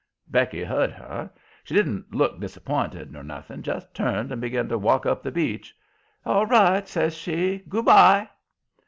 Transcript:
Becky heard her. She didn't look disapp'inted nor nothing. Just turned and begun to walk up the beach. "ALL right," says she; "GOO' by."